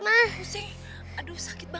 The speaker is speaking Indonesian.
nani udah gak kuat ma